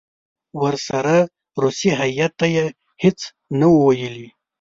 ورسره روسي هیات ته یې هېڅ نه وو ویلي.